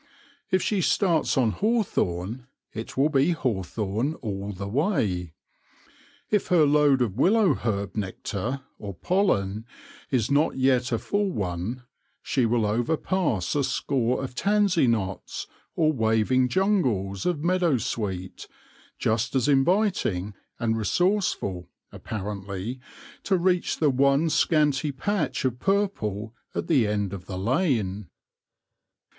If she starts on hawthorn, it will be hawthorn all the way/ If her load of willowherb nectar or pollen is not yet a full one, she will overpass a score of tansy knots or waving jungles of meadow sweet, just as inviting and re sourceful, apparently, to reach the one scanty patch of purple at the end of the lane.